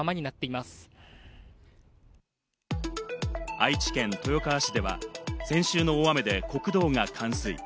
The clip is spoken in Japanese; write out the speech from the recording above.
愛知県豊川市では先週の大雨で国道が冠水。